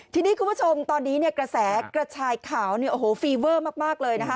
ทีนี้คุณผู้ชมตอนนี้เนี่ยกระแสกระชายขาวเนี่ยโอ้โหฟีเวอร์มากเลยนะคะ